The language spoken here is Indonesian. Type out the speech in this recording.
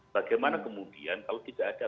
bagaimana kemudian kalau tidak ada